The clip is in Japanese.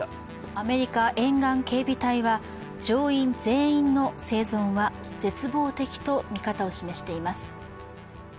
アメリカ沿岸警備隊は乗員全員の生存は絶望的と見方を示しています。